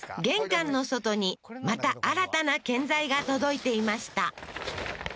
玄関の外にまた新たな建材が届いていました